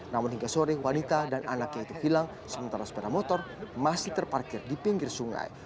namun hingga sore wanita dan anaknya itu hilang sementara sepeda motor masih terparkir di pinggir sungai